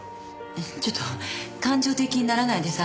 ちょっと感情的にならないでさ。